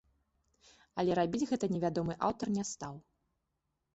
Але рабіць гэта невядомы аўтар не стаў.